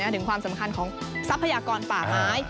ถึงความสำคัญของทรัพยากรป่าไม้